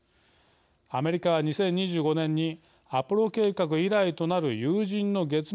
アメリカは２０２５年にアポロ計画以来となる有人の月面着陸を計画。